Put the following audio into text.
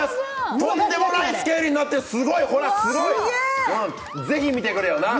とんでもないスケールになって、すごい、ほらすごい、ぜひ見てくれよな。